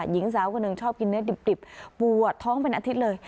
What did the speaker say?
หญิงสาวคนหนึ่งชอบกินเนื้อดิบปวดท้องเป็นอาทิตย์เลย